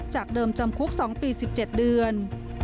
จากเดิมจำคุก๒ปี๑๗เดือน